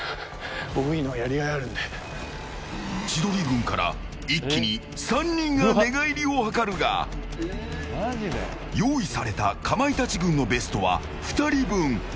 千鳥軍から一気に３人が寝返りを図るが用意されたかまいたち軍のベストは２人分。